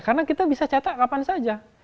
karena kita bisa cetak kapan saja